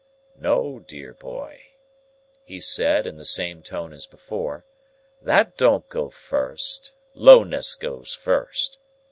"No, dear boy," he said, in the same tone as before, "that don't go first. Lowness goes first.